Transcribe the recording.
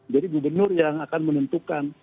jadi gubernur yang akan menentukan